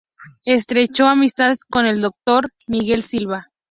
Estrechó amistad con el Dr. Miguel Silva.